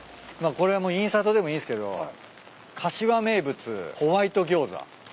これはもうインサートでもいいんすけど「柏名物ホワイト餃子」